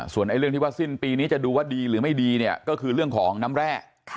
ส่วนเรื่องที่ว่าสิ้นปีนี้จะดูว่าดีหรือไม่ดีเนี่ยก็คือเรื่องของน้ำแร่